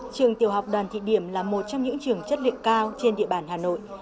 trường tiểu học đoàn thị điểm là một trong những trường chất lượng cao trên địa bàn hà nội